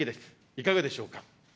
いかがでしょうか。